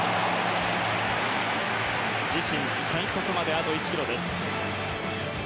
自身最速まであと１キロです。